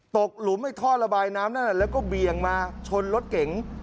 หลุมไอ้ท่อระบายน้ำนั่นแล้วก็เบี่ยงมาชนรถเก๋ง